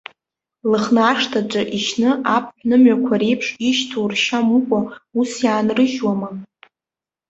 Лыхны ашҭаҿы ишьны, аԥҳә нымҩақәа реиԥш ишьҭоу ршьа мукәа, ус иаанрыжьуама?